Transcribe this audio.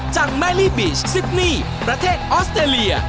แม่ลี่บีชซิดนี่ประเทศออสเตรเลีย